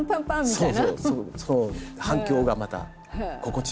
そうそう。